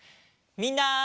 みんな。